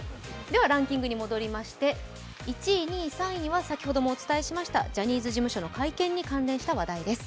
ランキングに戻りまして、１位、２位、３位にはジャニーズ事務所の会見に関連した話題です。